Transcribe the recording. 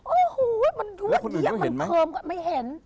โอ้โฮมันด้วยเยี่ยมมันเพิ่มไม่เห็น